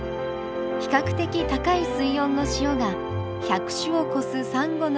比較的高い水温の潮が１００種を超すサンゴの海を作るのです。